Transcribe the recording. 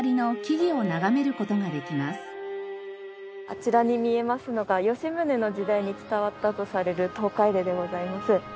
あちらに見えますのが吉宗の時代に伝わったとされるトウカエデでございます。